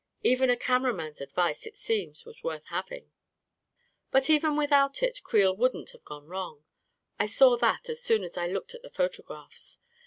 Even a cameraman's advice, it seems, was worth having ! But even without it, Creel wouldn't have gone wrong. I saw that as soon as I looked at the photo graphs.